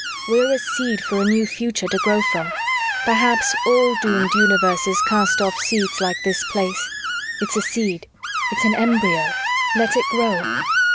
We're a seed for a new future to grow from. Perhaps all doomed universes cast off seeds like this Place. It's a seed, it's an embryo, let it grow."